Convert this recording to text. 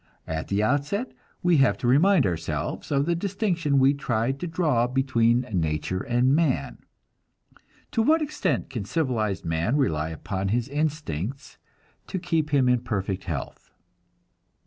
At the outset we have to remind ourselves of the distinction we tried to draw between nature and man. To what extent can civilized man rely upon his instincts to keep him in perfect health?